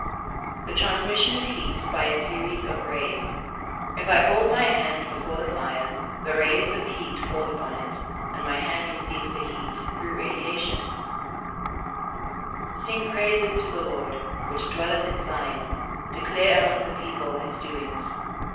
_ The transmission of heat by a series of rays. If I hold my hand before the fire, the rays of heat fall upon it, and my hand receives the heat through radiation. [Verse: "Sing praises to the Lord, which dwelleth in Zion, declare among the people his doings."